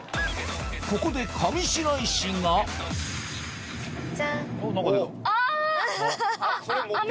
ここで上白石がハハハ。